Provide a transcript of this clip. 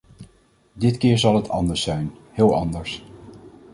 Dit keer zal het anders zijn, heel anders.